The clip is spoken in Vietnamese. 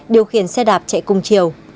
điều khiển xe đạp chạy cùng chiều